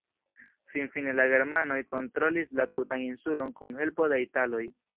Finfine la germanoj kontrolis la tutan insulon kun helpo de italoj.